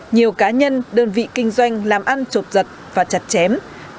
nhiều cá nhân đơn vị kinh doanh làm ăn chộp giật và chặt chém